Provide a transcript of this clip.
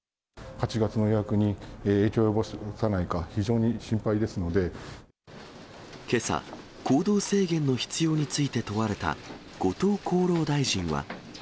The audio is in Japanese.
８月の予約に影響を及ぼさなけさ、行動制限の必要について問われた後藤厚労大臣は。